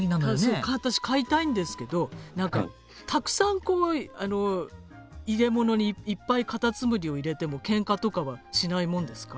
そう私飼いたいんですけど何かたくさんこうあの入れ物にいっぱいカタツムリを入れてもケンカとかはしないもんですか？